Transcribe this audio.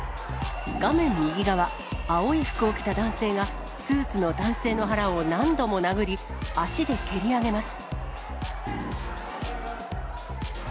画面右側、青い服を着た男性が、スーツの男性の腹を何度も殴り、足で蹴り上げます。